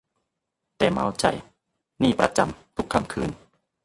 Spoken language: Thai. แต่เมาใจ นี้ประจำ ทุกค่ำคืน